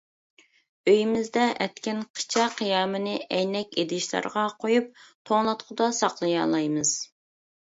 ئۆيىمىزدە ئەتكەن قىچا قىيامىنى ئەينەك ئىدىشلارغا قويۇپ، توڭلاتقۇدا ساقلىيالايمىز.